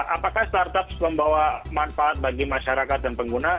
apakah start up membawa manfaat bagi masyarakat dan pengguna